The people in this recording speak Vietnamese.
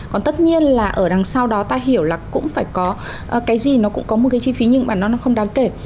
còn tất nhiên là ở đằng sau đó ta hiểu là cũng phải có cái gì nó cũng có một cái chi phí nhưng mà nó không đáng kể